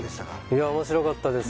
いやおもしろかったです